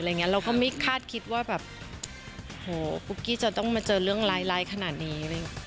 เราก็ไม่คาดคิดว่าแบบโหปุ๊กกี้จะต้องมาเจอเรื่องร้ายขนาดนี้